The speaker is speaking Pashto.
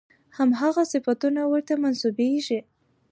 همغه صفتونه ورته منسوبېږي.